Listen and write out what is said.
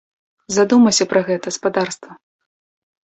Задумайся пра гэта, спадарства.